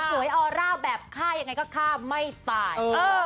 สวยออร่าวแบบข้ายังไงก็ข้าวไม่ตาย